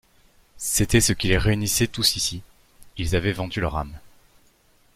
C’était ce qui les réunissait tous ici. Ils avaient vendu leur âme.